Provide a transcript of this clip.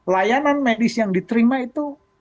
layanan medis yang diterima itu